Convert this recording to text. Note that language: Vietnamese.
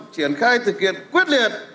triển khai thực hiện quyết liệt